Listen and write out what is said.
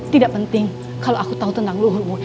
tidak penting kalau aku tahu tentang luhurmu